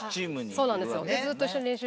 そうなんですよ。